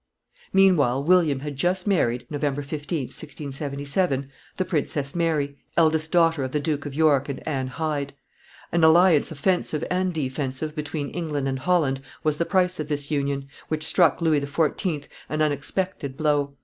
Meanwhile, William had just married (November 15, 1677), the Princess Mary, eldest daughter of the Duke of York and Anne Hyde. An alliance offensive and defensive between England and Holland was the price of this union, which struck Louis XIV. an unexpected blow.